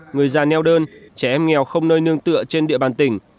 người già neo đơn trẻ em nghèo không nơi nương tựa trên địa bàn tỉnh